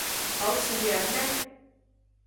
好似樣咩